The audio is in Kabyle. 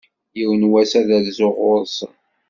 Yiwen wass, ad rzuɣ ɣur-sen.